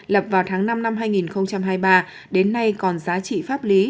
lập vào tháng năm năm hai nghìn hai mươi ba đến nay còn giá trị pháp lý